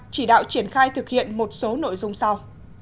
chỉ đạo triển khai thực hiện một số nội dung sau